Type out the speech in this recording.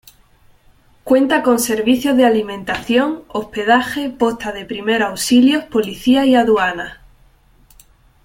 Cuenta con servicios de alimentación, hospedaje, posta de primeros auxilios, policía y aduanas.